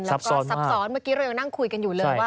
แล้วก็ซับซ้อนเมื่อกี้เรายังนั่งคุยกันอยู่เลยว่า